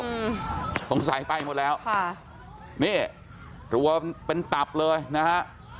อืมต้องใส่ไปหมดแล้วค่ะนี่หรือว่าเป็นตับเลยนะฮะ